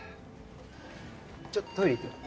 ちょっとトイレ行ってくる。